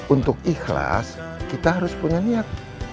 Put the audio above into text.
untuk ikhlas kita harus punya niat